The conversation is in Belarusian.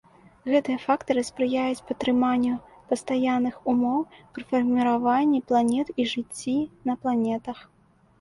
Гэтыя фактары спрыяюць падтрыманню пастаянных умоў пры фарміраванні планет і жыцці на планетах.